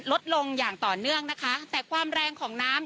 ลดลงอย่างต่อเนื่องนะคะแต่ความแรงของน้ำ